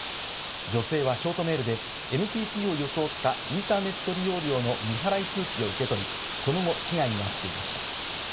女性はショートメールでＮＴＴを装ったインターネット利用料の未払い通知を受け取り、その後、被害にあっていました。